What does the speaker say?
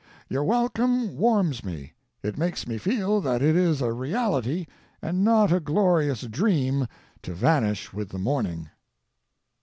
] Your welcome warms me, it makes me feel that it is a reality and not a glorious dream to vanish with the morning."